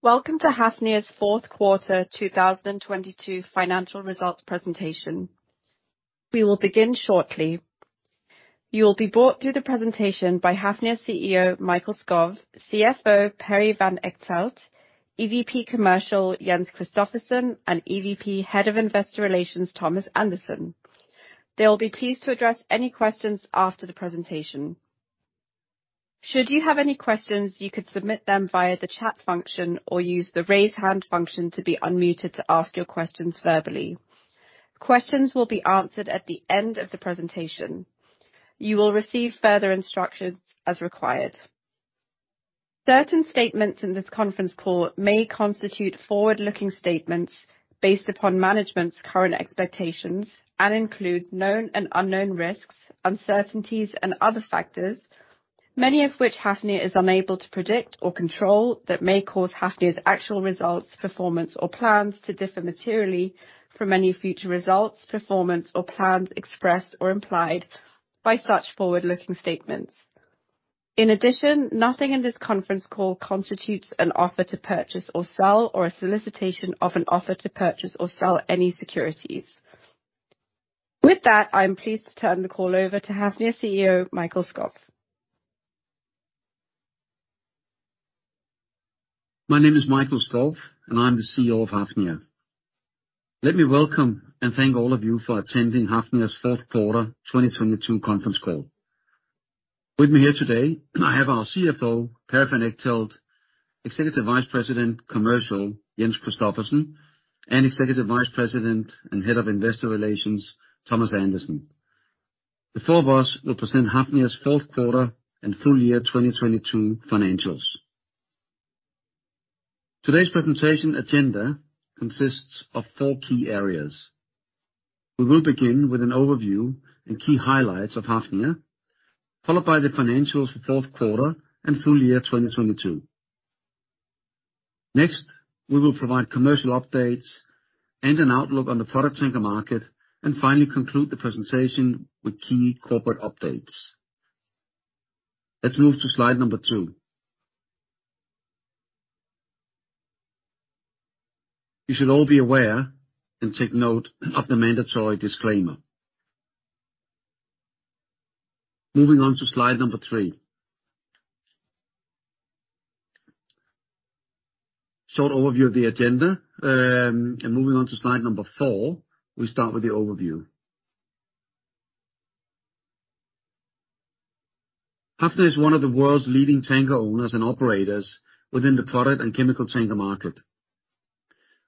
Welcome to Hafnia's fourth quarter, 2022 financial results presentation. We will begin shortly. You will be brought through the presentation by Hafnia CEO Mikael Skov, CFO Perry van Echtelt, EVP Commercial Jens Christophersen, and EVP Head of Investor Relations Thomas Andersen. They'll be pleased to address any questions after the presentation. Should you have any questions, you could submit them via the chat function or use the raise hand function to be unmuted to ask your questions verbally. Questions will be answered at the end of the presentation. You will receive further instructions as required. Certain statements in this conference call may constitute forward-looking statements based upon management's current expectations and include known and unknown risks, uncertainties and other factors, many of which Hafnia is unable to predict or control, that may cause Hafnia's actual results, performance or plans to differ materially from any future results, performance or plans expressed or implied by such forward-looking statements. In addition, nothing in this conference call constitutes an offer to purchase or sell or a solicitation of an offer to purchase or sell any securities. With that, I am pleased to turn the call over to Hafnia CEO Mikael Skov. My name is Mikael Skov, and I'm the CEO of Hafnia. Let me welcome and thank all of you for attending Hafnia's fourth quarter 2022 conference call. With me here today, I have our CFO, Perry van Echtelt, Executive Vice President Commercial Jens Christophersen, and Executive Vice President and Head of Investor Relations Thomas Andersen. The four of us will present Hafnia's fourth quarter and full year 2022 financials. Today's presentation agenda consists of four key areas. We will begin with an overview and key highlights of Hafnia, followed by the financials for fourth quarter and full year 2022. Next, we will provide commercial updates and an outlook on the product tanker market, and finally, conclude the presentation with key corporate updates. Let's move to slide number two. You should all be aware and take note of the mandatory disclaimer. Moving on to slide number three. Short overview of the agenda. Moving on to slide four, we start with the overview. Hafnia is one of the world's leading tanker owners and operators within the product and chemical tanker market.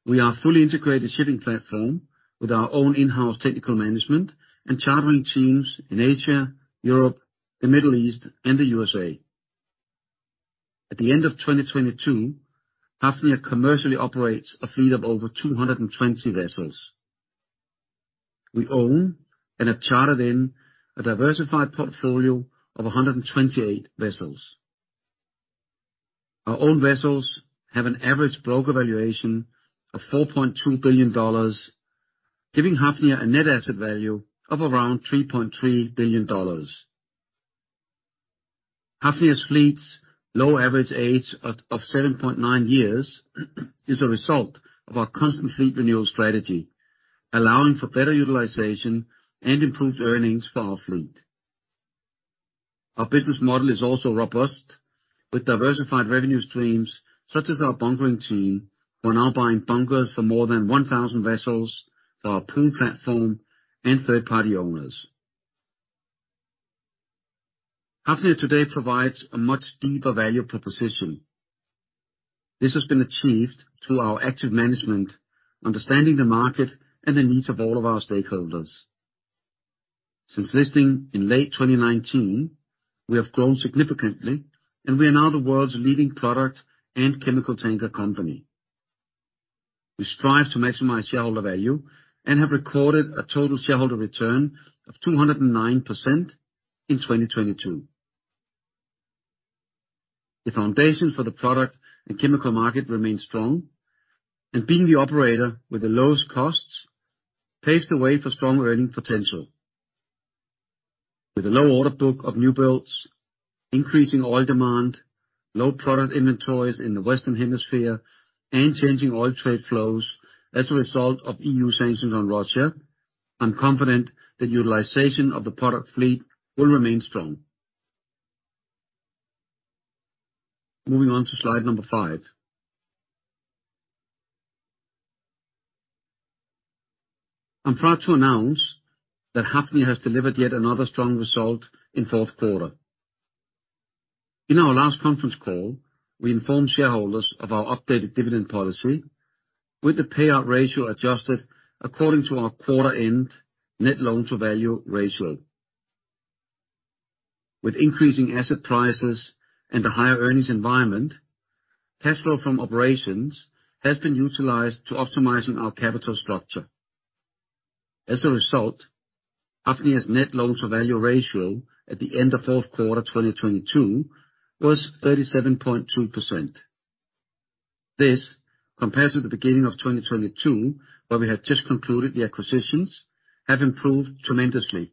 We are a fully integrated shipping platform with our own in-house technical management and chartering teams in Asia, Europe, the Middle East, and the USA. At the end of 2022, Hafnia commercially operates a fleet of over 220 vessels. We own and have chartered in a diversified portfolio of 128 vessels. Our own vessels have an average broker valuation of $4.2 billion, giving Hafnia a net asset value of around $3.3 billion. Hafnia's fleet's low average age of 7.9 years is a result of our constant fleet renewal strategy, allowing for better utilization and improved earnings for our fleet. Our business model is also robust, with diversified revenue streams such as our bunkering team, who are now buying bunkers for more than 1,000 vessels for our pool platform and third-party owners. Hafnia today provides a much deeper value proposition. This has been achieved through our active management, understanding the market and the needs of all of our stakeholders. Since listing in late 2019, we have grown significantly. We are now the world's leading product and chemical tanker company. We strive to maximize shareholder value and have recorded a total shareholder return of 209% in 2022. The foundation for the product and chemical market remains strong, being the operator with the lowest costs paves the way for strong earning potential. With a low order book of new builds, increasing oil demand, low product inventories in the Western Hemisphere, and changing oil trade flows as a result of EU sanctions on Russia, I'm confident that utilization of the product fleet will remain strong. Moving on to slide number five. I'm proud to announce that Hafnia has delivered yet another strong result in fourth quarter. In our last conference call, we informed shareholders of our updated dividend policy with the payout ratio adjusted according to our quarter-end net loan-to-value ratio. With increasing asset prices and a higher earnings environment, cash flow from operations has been utilized to optimizing our capital structure. As a result, Hafnia's net loans to value ratio at the end of fourth quarter 2022 was 37.2%. This, compared to the beginning of 2022, where we had just concluded the acquisitions, have improved tremendously,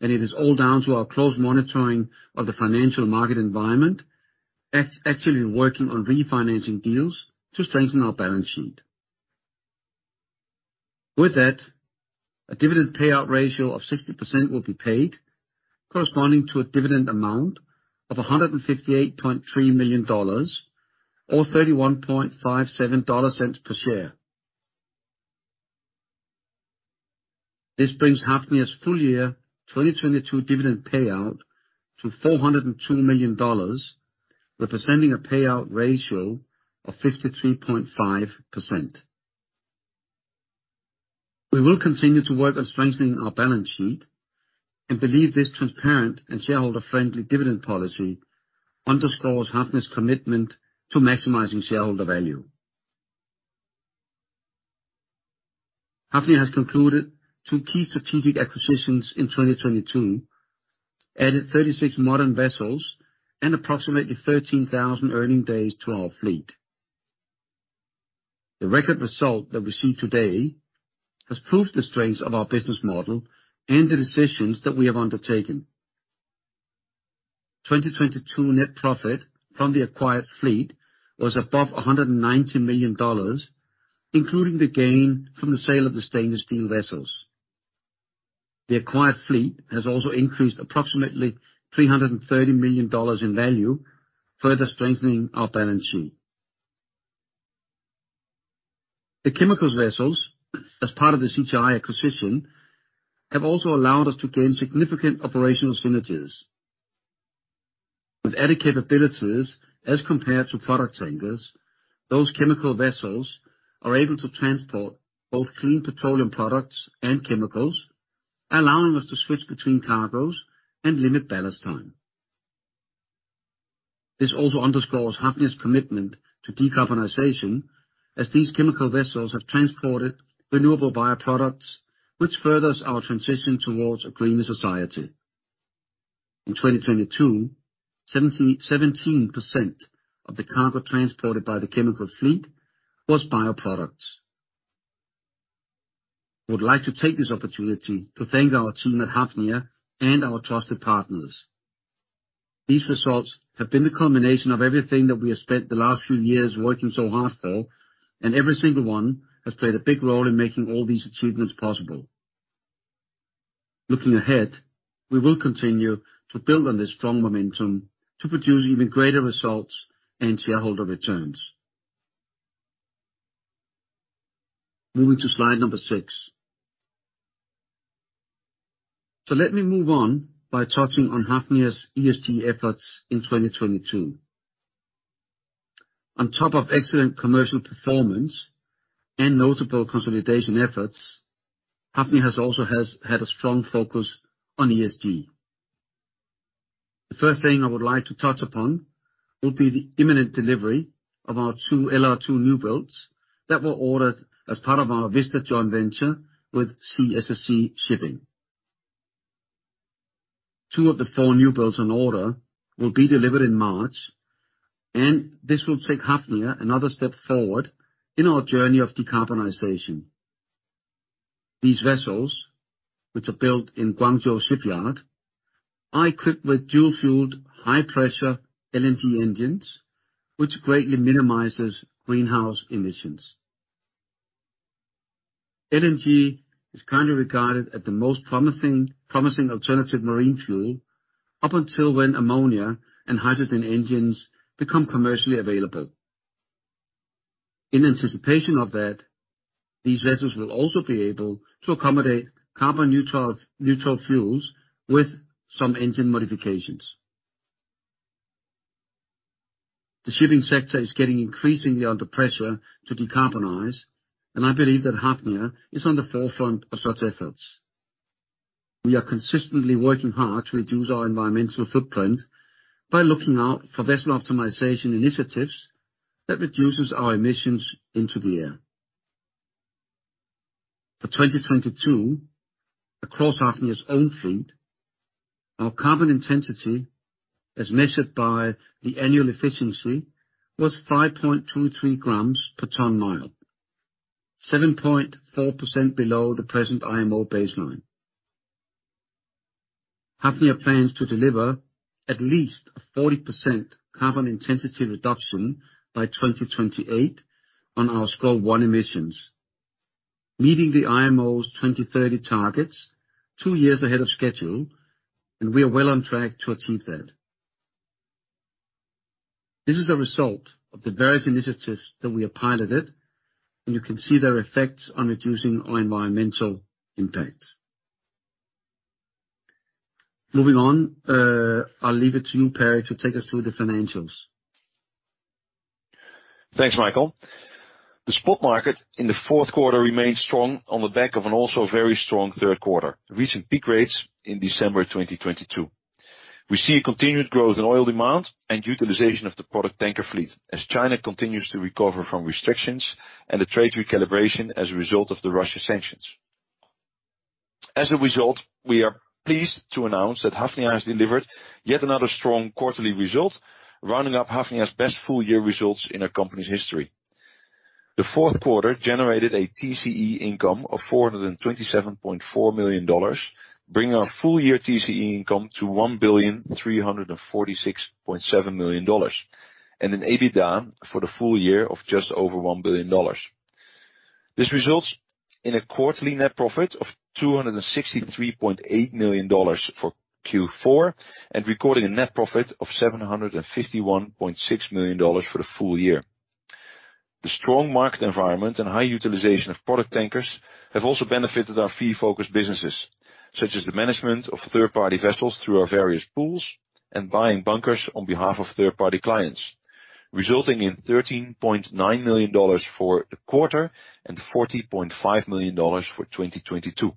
and it is all down to our close monitoring of the financial market environment, actually working on refinancing deals to strengthen our balance sheet. With that, a dividend payout ratio of 60% will be paid, corresponding to a dividend amount of $158.3 million or $0.3157 per share. This brings Hafnia's full year 2022 dividend payout to $402 million, representing a payout ratio of 53.5%. We will continue to work on strengthening our balance sheet and believe this transparent and shareholder-friendly dividend policy underscores Hafnia's commitment to maximizing shareholder value. Hafnia has concluded two key strategic acquisitions in 2022, added 36 modern vessels and approximately 13,000 earning days to our fleet. The record result that we see today has proved the strength of our business model and the decisions that we have undertaken. 2022 net profit from the acquired fleet was above $190 million, including the gain from the sale of the stainless steel vessels. The acquired fleet has also increased approximately $330 million in value, further strengthening our balance sheet. The chemicals vessels, as part of the CGI acquisition, have also allowed us to gain significant operational synergies. With added capabilities as compared to product tankers, those chemical vessels are able to transport both clean petroleum products and chemicals, allowing us to switch between cargos and limit ballast time. This also underscores Hafnia's commitment to decarbonization as these chemical vessels have transported renewable bioproducts, which furthers our transition towards a greener society. In 2022, 17% of the cargo transported by the chemical fleet was bioproducts. I would like to take this opportunity to thank our team at Hafnia and our trusted partners. These results have been the culmination of everything that we have spent the last few years working so hard for, and every single one has played a big role in making all these achievements possible. Looking ahead, we will continue to build on this strong momentum to produce even greater results and shareholder returns. Moving to slide number six. Let me move on by touching on Hafnia's ESG efforts in 2022. On top of excellent commercial performance and notable consolidation efforts, Hafnia has also had a strong focus on ESG. The first thing I would like to touch upon will be the imminent delivery of our two LR2 newbuilds that were ordered as part of our Vista joint venture with CSSC Shipping. Two of the four newbuilds on order will be delivered in March, this will take Hafnia another step forward in our journey of decarbonization. These vessels, which are built in Guangzhou Shipyard, are equipped with dual-fueled high pressure LNG engines, which greatly minimizes greenhouse emissions. LNG is currently regarded as the most promising alternative marine fuel up until when ammonia and hydrogen engines become commercially available. In anticipation of that, these vessels will also be able to accommodate carbon neutral fuels with some engine modifications. The shipping sector is getting increasingly under pressure to decarbonize, I believe that Hafnia is on the forefront of such efforts. We are consistently working hard to reduce our environmental footprint by looking out for vessel optimization initiatives that reduces our emissions into the air. For 2022, across Hafnia's own fleet, our carbon intensity, as measured by the Annual Efficiency, was 5.23 grams per ton-mile, 7.4% below the present IMO baseline. Hafnia plans to deliver at least a 40% carbon intensity reduction by 2028 on our Scope one emissions, meeting the IMO's 2030 targets two years ahead of schedule, and we are well on track to achieve that. This is a result of the various initiatives that we have piloted, and you can see their effects on reducing our environmental impact. Moving on, I'll leave it to you, Perry, to take us through the financials. Thanks, Mikael. The spot market in the fourth quarter remained strong on the back of an also very strong third quarter. Recent peak rates in December 2022. We see a continued growth in oil demand and utilization of the product tanker fleet as China continues to recover from restrictions and the trade recalibration as a result of the Russia sanctions. As a result, we are pleased to announce that Hafnia has delivered yet another strong quarterly result, rounding up Hafnia's best full year results in our company's history. The fourth quarter generated a TCE income of $427.4 million, bringing our full year TCE income to $1,346.7 million. An EBITDA for the full year of just over $1 billion. This results in a quarterly net profit of $263.8 million for Q4, recording a net profit of $751.6 million for the full year. The strong market environment and high utilization of product tankers have also benefited our fee-focused businesses, such as the management of third-party vessels through our various pools and buying bunkers on behalf of third-party clients, resulting in $13.9 million for the quarter and $40.5 million for 2022.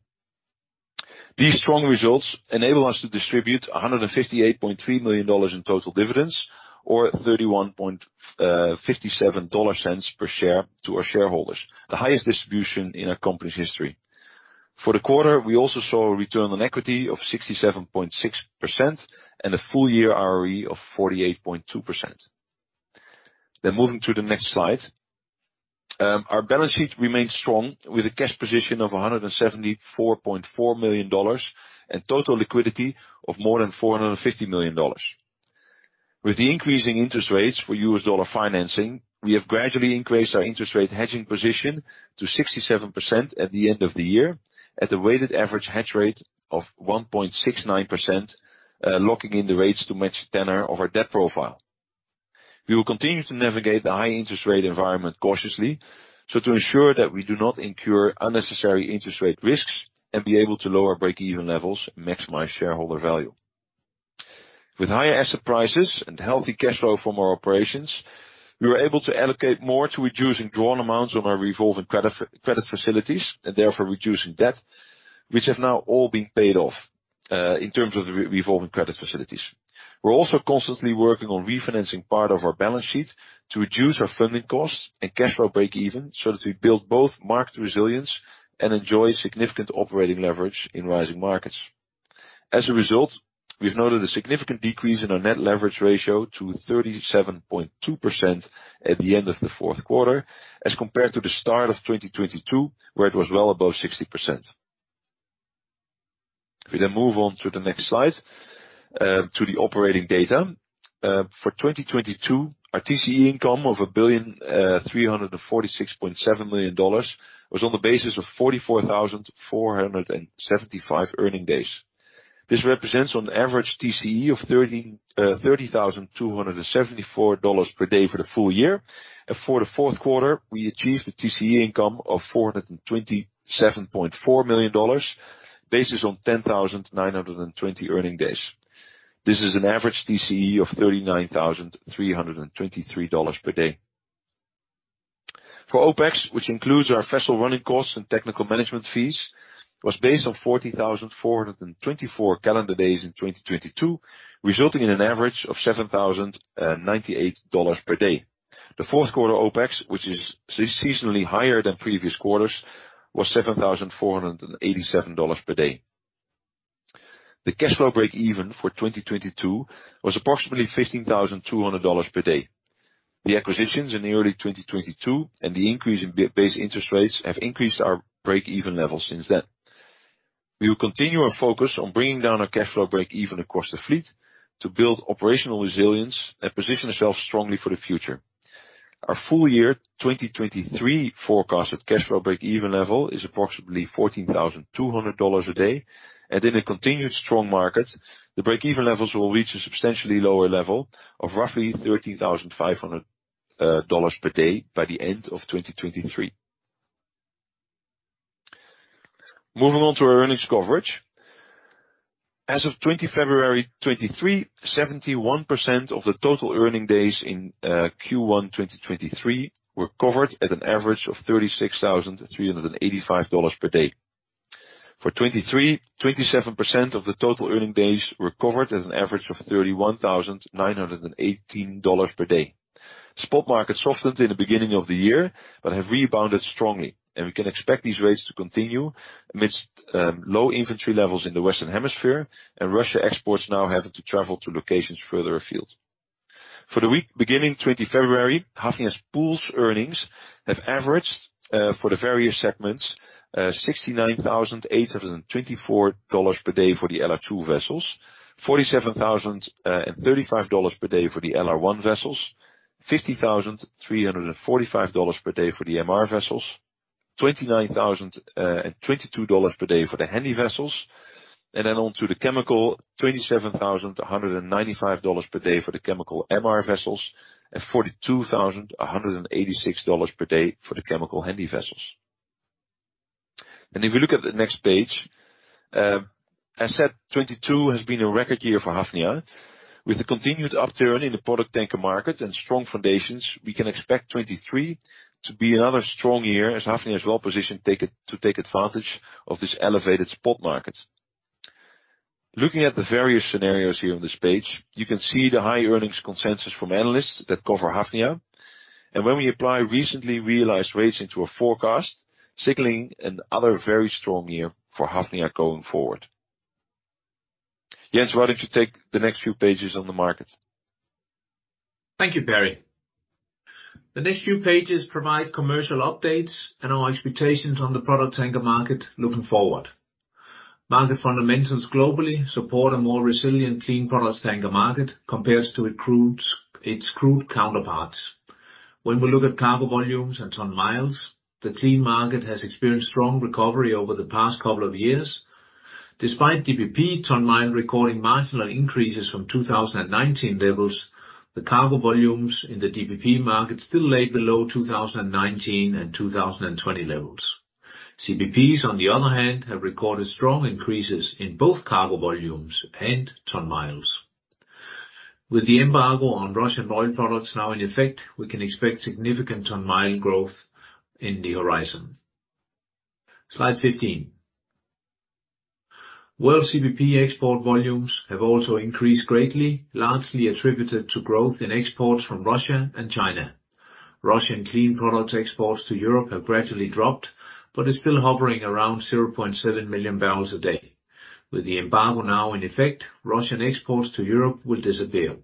These strong results enable us to distribute $158.3 million in total dividends, or $0.3157 per share to our shareholders, the highest distribution in our company's history. For the quarter, we also saw a return on equity of 67.6% and a full year ROE of 48.2%. Moving to the next slide. Our balance sheet remains strong with a cash position of $174.4 million and total liquidity of more than $450 million. With the increasing interest rates for US dollar financing, we have gradually increased our interest rate hedging position to 67% at the end of the year at a weighted average hedge rate of 1.69%, locking in the rates to match the tenor of our debt profile. We will continue to navigate the high interest rate environment cautiously, so to ensure that we do not incur unnecessary interest rate risks and be able to lower break-even levels and maximize shareholder value. With higher asset prices and healthy cash flow from our operations, we were able to allocate more to reducing drawn amounts on our revolving credit facilities and therefore reducing debt, which have now all been paid off, in terms of revolving credit facilities. We're also constantly working on refinancing part of our balance sheet to reduce our funding costs and cash flow break even so that we build both market resilience and enjoy significant operating leverage in rising markets. As a result, we've noted a significant decrease in our net leverage ratio to 37.2% at the end of the fourth quarter as compared to the start of 2022, where it was well above 60%. We move on to the next slide to the operating data. For 2022, our TCE income of $1,346.7 million was on the basis of 44,475 earning days. This represents on average TCE of $30,274 per day for the full year. For the fourth quarter, we achieved a TCE income of $427.4 million, based on 10,992 earning days. This is an average TCE of $39,323 per day. For OPEX, which includes our vessel running costs and technical management fees, was based on 40,424 calendar days in 2022, resulting in an average of $7,098 per day. The fourth quarter OPEX, which is seasonally higher than previous quarters, was $7,487 per day. The cash flow break even for 2022 was approximately $15,200 per day. The acquisitions in early 2022 and the increase in base interest rates have increased our break-even level since then. We will continue our focus on bringing down our cash flow break even across the fleet to build operational resilience and position ourselves strongly for the future. Our full year 2023 forecasted cash flow break-even level is approximately $14,200 a day, and in a continued strong market, the break-even levels will reach a substantially lower level of roughly $13,500 per day by the end of 2023. Moving on to our earnings coverage. As of February 20 2023, 71% of the total earning days in Q1 2023 were covered at an average of $36,385 per day. For 2023, 27% of the total earning days were covered at an average of $31,918 per day. Spot markets softened in the beginning of the year. Have rebounded strongly. We can expect these rates to continue amidst low inventory levels in the Western Hemisphere and Russia exports now having to travel to locations further afield. For the week beginning February 20, Hafnia's pools earnings have averaged for the various segments, $69,824 per day for the LR2 vessels, $47,035 per day for the LR1 vessels, $50,345 per day for the MR vessels, $29,022 per day for the Handy vessels. On to the chemical, $27,195 per day for the chemical MR vessels, and $42,186 per day for the chemical Handy vessels. If you look at the next page, I said 2022 has been a record year for Hafnia. With the continued upturn in the product tanker market and strong foundations, we can expect 2023 to be another strong year as Hafnia is well-positioned to take advantage of this elevated spot market. Looking at the various scenarios here on this page, you can see the high earnings consensus from analysts that cover Hafnia. When we apply recently realized rates into a forecast, signaling another very strong year for Hafnia going forward. Jens, why don't you take the next few pages on the market? Thank you, Perry. The next few pages provide commercial updates and our expectations on the product tanker market looking forward. Market fundamentals globally support a more resilient clean products tanker market compares to a crude, its crude counterparts. When we look at cargo volumes and ton miles, the clean market has experienced strong recovery over the past couple of years. Despite DPP ton-mile recording marginal increases from 2019 levels, the cargo volumes in the DPP market still laid below 2019 and 2020 levels. CPPs, on the other hand, have recorded strong increases in both cargo volumes and ton miles. With the embargo on Russian oil products now in effect, we can expect significant ton-mile growth in the horizon. Slide 15. World CPP export volumes have also increased greatly, largely attributed to growth in exports from Russia and China. Russian clean product exports to Europe have gradually dropped, is still hovering around 0.7 million barrels a day. With the embargo now in effect, Russian exports to Europe will disappear.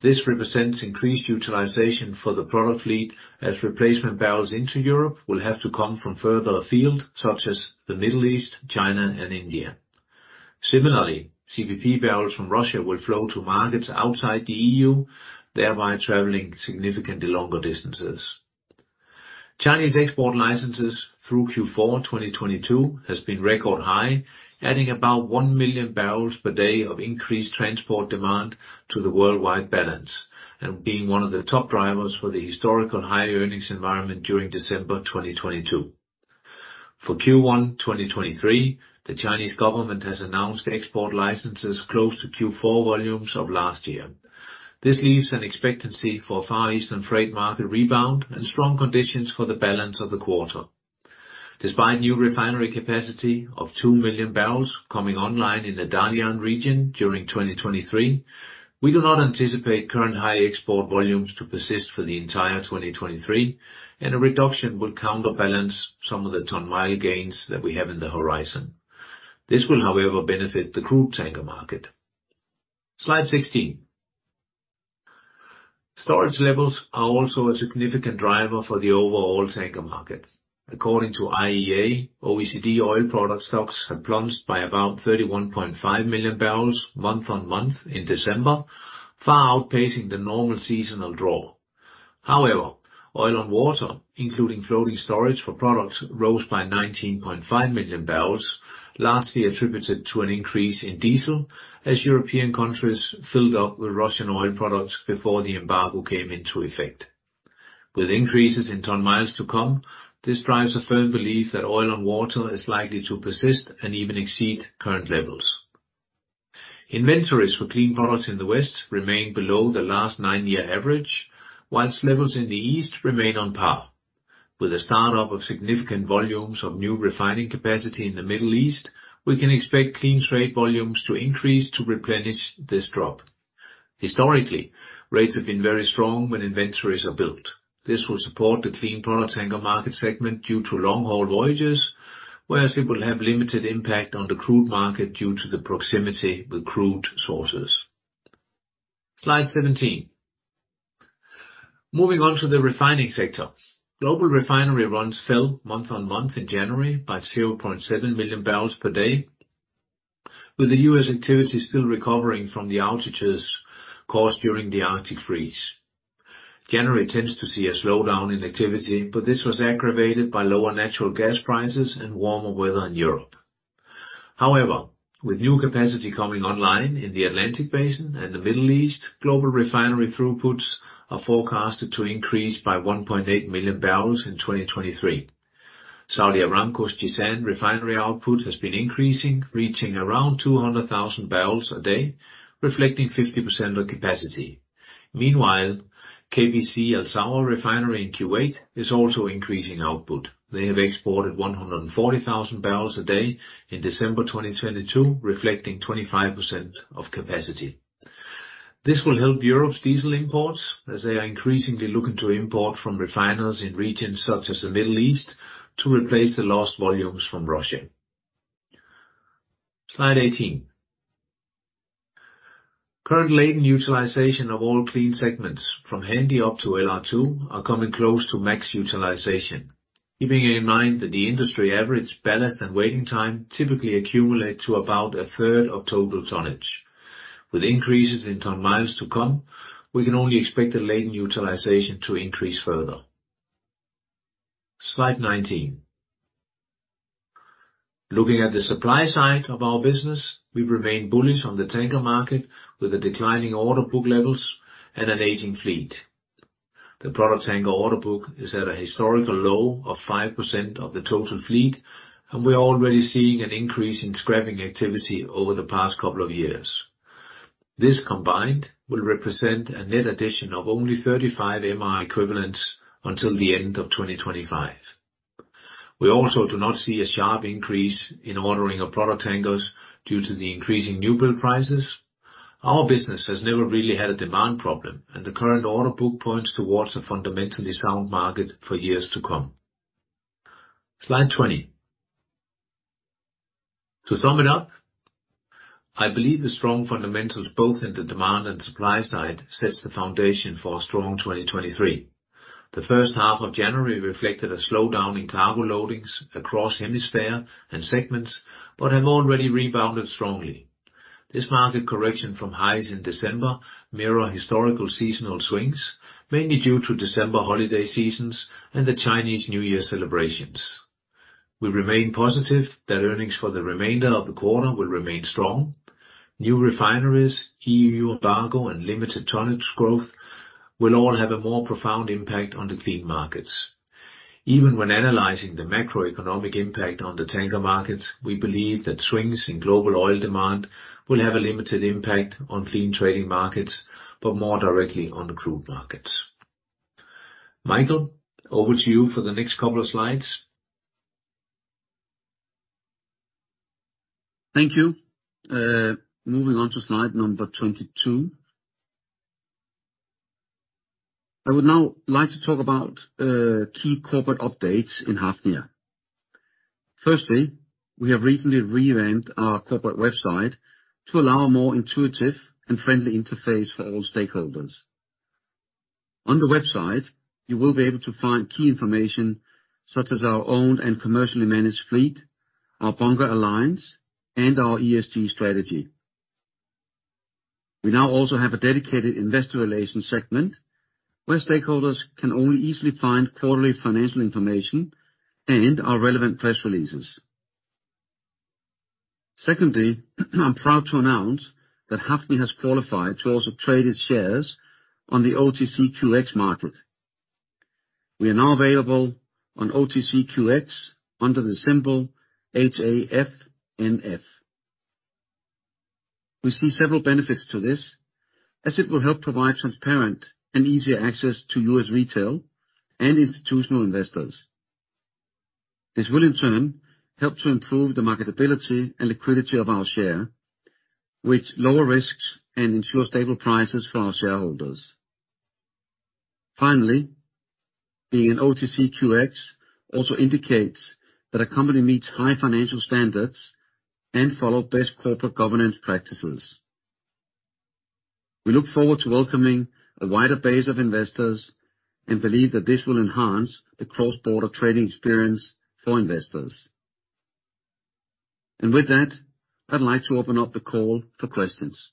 This represents increased utilization for the product fleet as replacement barrels into Europe will have to come from further afield, such as the Middle East, China, and India. Similarly, CPP barrels from Russia will flow to markets outside the E.U., thereby traveling significantly longer distances. Chinese export licenses through Q4, 2022 has been record high, adding about 1 million barrels per day of increased transport demand to the worldwide balance, and being one of the top drivers for the historical high earnings environment during December 2022. For Q1, 2023, the Chinese government has announced export licenses close to Q4 volumes of last year. This leaves an expectancy for Far Eastern freight market rebound and strong conditions for the balance of the quarter. Despite new refinery capacity of 2 million barrels coming online in the Dalian region during 2023, we do not anticipate current high export volumes to persist for the entire 2023. A reduction will counterbalance some of the ton-mile gains that we have in the horizon. This will, however, benefit the crude tanker market. Slide 16. Storage levels are also a significant driver for the overall tanker market. According to IEA, OECD oil product stocks have plunged by about 31.5 million barrels month-on-month in December, far outpacing the normal seasonal draw. Oil on water, including floating storage for products, rose by 19.5 million barrels, largely attributed to an increase in diesel as European countries filled up with Russian oil products before the embargo came into effect. With increases in ton-miles to come, this drives a firm belief that oil on water is likely to persist and even exceed current levels. Inventories for clean products in the West remain below the last nine-year average, whilst levels in the East remain on par. With the start up of significant volumes of new refining capacity in the Middle East, we can expect clean straight volumes to increase to replenish this drop. Historically, rates have been very strong when inventories are built. This will support the clean products tanker market segment due to long-haul voyages, whereas it will have limited impact on the crude market due to the proximity with crude sources. Slide 17. Moving on to the refining sector. Global refinery runs fell month-on-month in January by 0.7 million barrels per day, with the U.S. activity still recovering from the outages caused during the Arctic freeze. January tends to see a slowdown in activity, this was aggravated by lower natural gas prices and warmer weather in Europe. However, with new capacity coming online in the Atlantic Basin and the Middle East, global refinery throughputs are forecasted to increase by 1.8 million barrels in 2023. Saudi Aramco's Jizan refinery output has been increasing, reaching around 200,000 barrels a day, reflecting 50% of capacity. Meanwhile, KPC Al-Zour Refinery in Kuwait is also increasing output. They have exported 140,000 barrels a day in December 2022, reflecting 25% of capacity. This will help Europe's diesel imports as they are increasingly looking to import from refiners in regions such as the Middle East to replace the lost volumes from Russia. Slide 18. Current latent utilization of all clean segments from Handy up to LR2 are coming close to max utilization. Keeping in mind that the industry average ballast and waiting time typically accumulate to about a third of total tonnage. With increases in ton-miles to come, we can only expect the latent utilization to increase further. Slide 19. Looking at the supply side of our business, we remain bullish on the tanker market with the declining order book levels and an aging fleet. The product tanker order book is at a historical low of 5% of the total fleet, and we're already seeing an increase in scrapping activity over the past couple of years. This combined will represent a net addition of only 35 MR equivalents until the end of 2025. We also do not see a sharp increase in ordering of product tankers due to the increasing new build prices. Our business has never really had a demand problem, and the current order book points towards a fundamentally sound market for years to come. Slide 20. To sum it up, I believe the strong fundamentals, both in the demand and supply side, sets the foundation for a strong 2023. The first half of January reflected a slowdown in cargo loadings across hemisphere and segments, but have already rebounded strongly. This market correction from highs in December mirror historical seasonal swings, mainly due to December holiday seasons and the Chinese New Year celebrations. We remain positive that earnings for the remainder of the quarter will remain strong. New refineries, EU embargo, and limited tonnage growth will all have a more profound impact on the clean markets. Even when analyzing the macroeconomic impact on the tanker markets, we believe that swings in global oil demand will have a limited impact on clean trading markets, but more directly on the crude markets. Mikael, over to you for the next couple of slides. Thank you. Moving on to slide number 22. I would now like to talk about key corporate updates in Hafnia. Firstly, we have recently revamped our corporate website to allow a more intuitive and friendly interface for all stakeholders. On the website, you will be able to find key information such as our owned and commercially managed fleet, our Bunker Alliance, and our ESG strategy. We now also have a dedicated investor relations segment, where stakeholders can all easily find quarterly financial information and our relevant press releases. Secondly, I'm proud to announce that Hafnia has qualified to also trade its shares on the OTCQX market. We are now available on OTCQX under the symbol HAFNF. We see several benefits to this, as it will help provide transparent and easier access to U.S. retail and institutional investors. This will, in turn, help to improve the marketability and liquidity of our share, which lower risks and ensure stable prices for our shareholders. Finally, being in OTCQX also indicates that a company meets high financial standards and follow best corporate governance practices. We look forward to welcoming a wider base of investors and believe that this will enhance the cross-border trading experience for investors. With that, I'd like to open up the call for questions.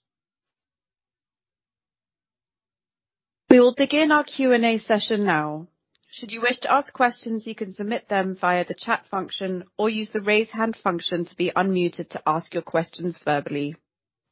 We will begin our Q&A session now. Should you wish to ask questions, you can submit them via the chat function or use the raise hand function to be unmuted to ask your questions verbally.